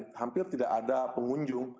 hampir tidak ada pengunjung